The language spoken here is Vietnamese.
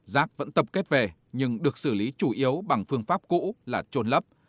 rác vẫn tập kết về nhưng được xử lý chủ yếu bằng phương pháp cũ là trồn lấp